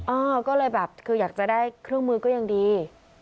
เออก็เลยแบบคืออยากจะได้เครื่องมือก็ยังดี